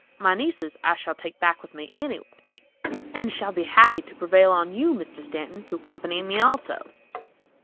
My nieces I shall take back with me, any way, and shall be happy to prevail on you, Mr. Stanton, to accompany me also."